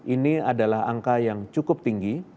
ini adalah angka yang cukup tinggi